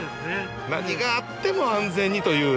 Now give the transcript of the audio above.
何があっても安全にという。